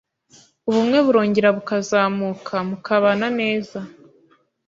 ubumwe burongera bukazamuka, mukabana neza,